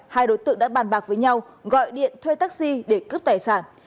hai đối tượng đã bàn bạc với nhau gọi điện thuê taxi để cướp tài sản